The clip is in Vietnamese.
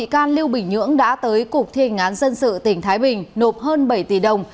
bị can lưu bình nhưỡng đã tới cục thiên ngán dân sự tỉnh thái bình nộp hơn bảy tỷ đồng